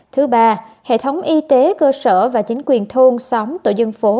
thứ ba hệ thống y tế cơ sở và chính quyền thôn xóm tổ dân phố